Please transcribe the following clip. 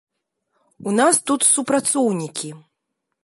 У нас тут супрацоўнікі.